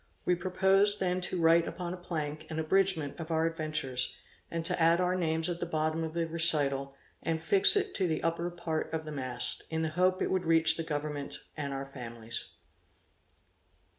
We proposed then to write upon a plank an abridgement of our adventures, and to add our names at the bottom of the recital, and fix it to the upper part of the mast, in the hope it would reach the government and our families.